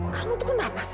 kamu tuh kenapa sih